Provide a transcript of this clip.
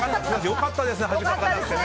良かったですね